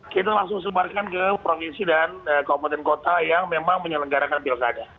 kita langsung sebarkan ke provinsi dan kabupaten kota yang memang menyelenggarakan pilkada